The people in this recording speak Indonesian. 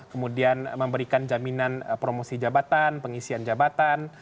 kemudian memberikan jaminan promosi jabatan pengisian jabatan